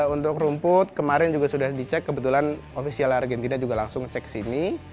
untuk rumput kemarin juga sudah dicek kebetulan ofisial argentina juga langsung cek ke sini